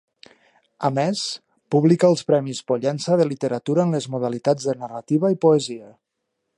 A més, publica els Premis Pollença de Literatura en les modalitats de Narrativa i Poesia.